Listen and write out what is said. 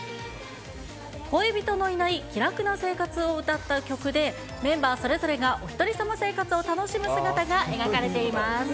恋人のいない気楽な生活を歌った曲で、メンバーそれぞれがおひとりさま生活を楽しむ姿が描かれています。